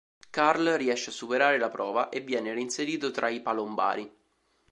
Carl riesce a superare la prova e viene reinserito tra i palombari.